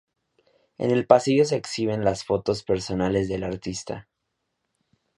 En el pasillo se exhiben las fotos personales del artista.